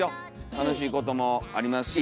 楽しいこともありますし。